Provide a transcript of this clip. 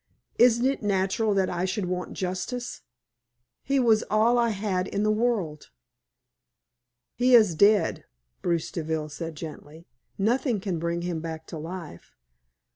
Isn't it natural that I should want justice? He was all I had in the world." "He is dead," Bruce Deville said, gently. "Nothing can bring him back to life.